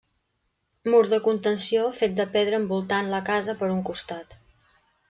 Mur de contenció fet de pedra envoltant la casa per un costat.